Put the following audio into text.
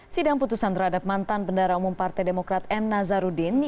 sidang putusan terhadap mantan bendara umum partai demokrat m nazarudin